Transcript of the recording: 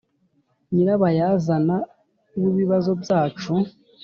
nyirabayazana w ibibazo byacu